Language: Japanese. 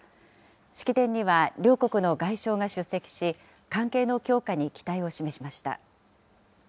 式典には両国の外相が出席し、関係の強化に期待を示しました。